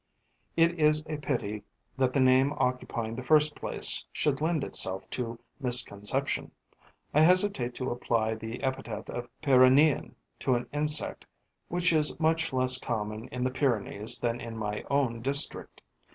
It is a pity that the name occupying the first place should lend itself to misconception. I hesitate to apply the epithet of Pyrenean to an insect which is much less common in the Pyrenees than in my own district.